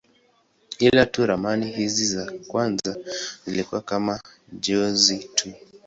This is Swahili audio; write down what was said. Ila tu ramani hizi za kwanza zilikuwa kama njozi tu.